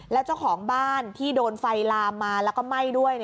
แล้วเจ้าของบ้านที่โดนไฟลามมาแล้วก็ไหม้ด้วย